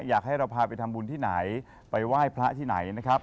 อยากให้เราพาไปทำบุญที่ไหนไปไหว้พระที่ไหนนะครับ